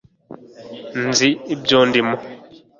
nzi ibyo ndimo